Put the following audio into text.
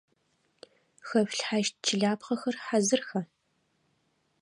Хэшъулъхьащт чылапхъэхэр хьазырха?